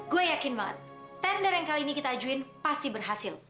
gue yakin banget tender yang kali ini kita ajuin pasti berhasil